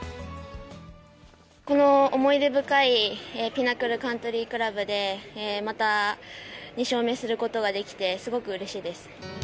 この思い出深いピナクルカントリークラブで、また２勝目することができて、すごくうれしいです。